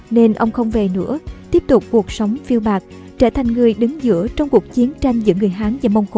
nên ông không về nữa tiếp tục cuộc sống phiêu bạc trở thành người đứng giữa trong cuộc chiến tranh giữa người hán và mông cổ